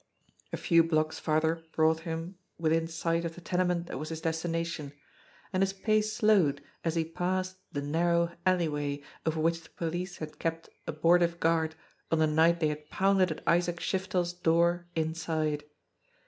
A few blocks farther brought him within sight of the tene ment that was his destination, and his pace slowed as he passed the narrow alleyway over which the police had kept abortive guard on the night they had pounded at Isaac Shiftel's door inside.